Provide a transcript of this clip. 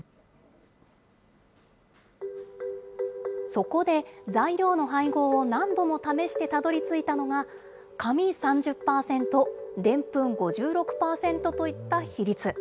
そこで材料の配合を何度も試してたどりついたのが、紙３０％、でんぷん５６％といった比率。